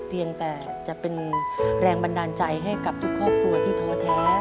เพียงแต่จะเป็นแรงบันดาลใจให้กับทุกครอบครัวที่ท้อแท้